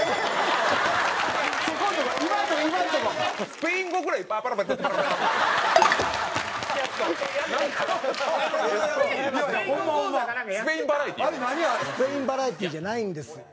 スペインバラエティじゃないんです。